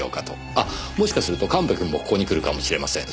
あっもしかすると神戸君もここに来るかもしれません。